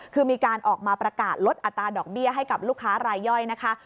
คือมีการออกมาประกาศลดอัตราดอกเบี้ยให้กับลูกค้ารายย่อยนะคะ